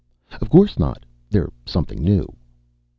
"Of course not. They're something new."